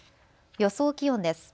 予想気温です。